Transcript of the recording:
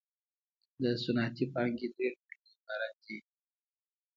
د صنعتي پانګې درې ډولونه عبارت دي